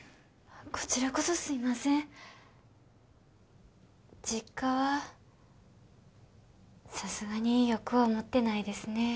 こちらこそすいません実家はさすがによく思ってないですね